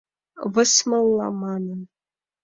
высмылла манын